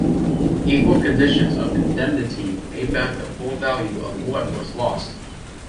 Equal conditions of indemnity pay back the full value of what was lost.